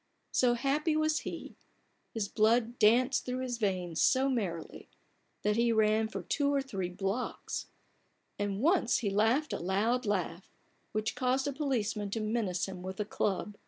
So happy was he, his blood danced through his veins so merrily, that he ran for three or four blocks; and once he laughed a loud laugh, which caused a police man to menace him with a club.